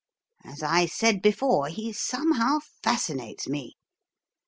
As I said before, he somehow fascinates me.